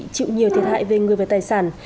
chịu nhiều thiệt hại về người về tài sản